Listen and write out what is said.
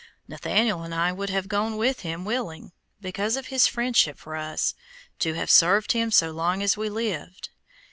Nathaniel and I would have gone with him, willing, because of his friendship for us, to have served him so long as we lived.